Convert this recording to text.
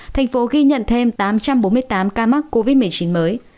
thành phố ghi nhận thêm tám trăm bốn mươi tám ca mắc covid một mươi chín mới